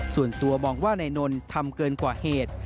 ส่วนตัวมองว่านายนนท์ทำเกินกว่าเหตุ